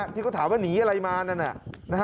ที่ก็ถามว่าหนีอะไรมานั่น